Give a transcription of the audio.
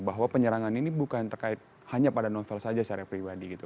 bahwa penyerangan ini bukan terkait hanya pada novel saja secara pribadi gitu